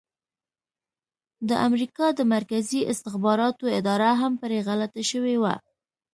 د امریکا د مرکزي استخباراتو اداره هم پرې غلطه شوې وه.